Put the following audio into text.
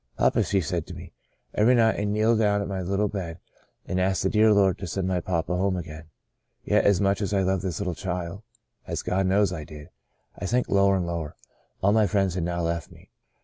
* Papa,' she said to me, * every night I kneel down at my little bed, and ask the dear Lord to send my papa home again.' Yet much as I loved this litde child — as God knows I did — I sank lower and lower. All my friends had now left me.